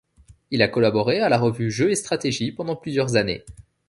Il a collaboré à la revue Jeux et Stratégie pendant plusieurs années.